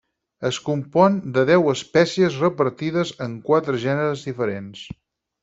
Es compon de deu espècies repartides en quatre gèneres diferents.